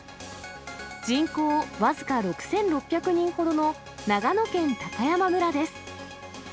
人口僅か６６００人ほどの長野県高山村です。